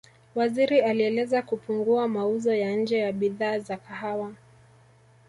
Waziri alieleza kupungua mauzo ya nje ya bidhaa za kahawa